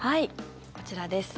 こちらです。